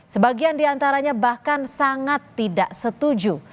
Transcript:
sebagian di antaranya bahkan sangat tidak setuju